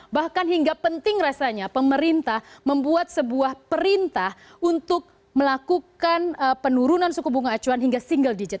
bahkan hingga penting rasanya pemerintah membuat sebuah perintah untuk melakukan penurunan suku bunga acuan hingga single digit